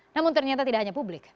namun ternyata tidak hanya publik